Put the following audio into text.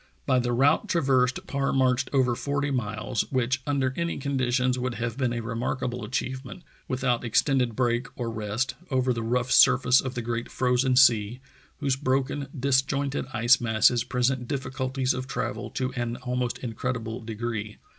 By the route traversed Parr marched over forty miles, which under any conditions would have been a remarkable achievement, without extended break or rest, over the rough surface of the Great Frozen Sea, whose broken, disjointed ice masses present difficulties of travel to an almost incredible degree.